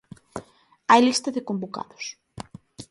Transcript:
Hai lista de convocados.